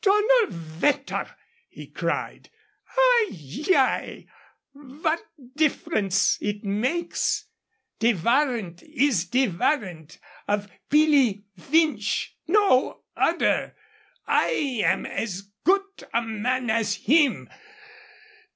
"Donner vetter!" he cried. "Ay, yai. Vhat tifference it makes? De varrant is de varrant of Pilly Vinch; no odder I am as goot a man as him.